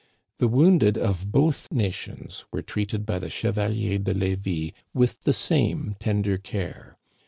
The wounded of both nations were treated by the Chevalier de Levis with the same tender care.